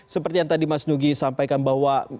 seperti yang tadi mas nugi sampaikan bahwa